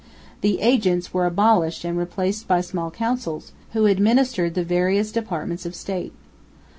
The "agents" were abolished and replaced by small councils, who administered the various departments of State.